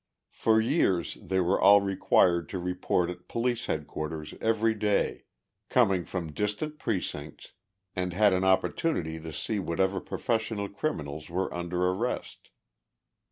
For years they were all required to report at Police Headquarters every day, coming from distant precincts, and had an opportunity to see whatever professional criminals were under arrest.